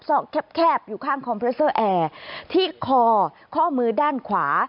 อกแคบอยู่ข้างคอมเพรสเซอร์แอร์ที่คอข้อมือด้านขวา